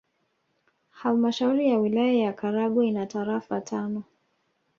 Halmashauri ya Wilaya ya Karagwe ina tarafa tano